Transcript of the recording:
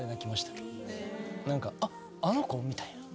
あっあの子？みたいな。